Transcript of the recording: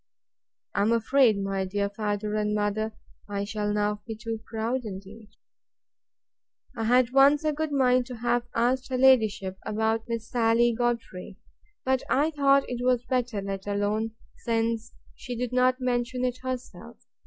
I am afraid, my dear father and mother, I shall now be too proud indeed. I had once a good mind to have asked her ladyship about Miss Sally Godfrey; but I thought it was better let alone, since she did not mention It herself.